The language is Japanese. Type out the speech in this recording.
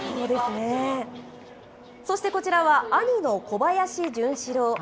そしてこちらは、兄の小林潤志郎。